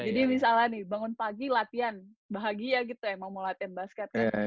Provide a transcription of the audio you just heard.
jadi misalnya nih bangun pagi latihan bahagia gitu emang mau latihan basket ya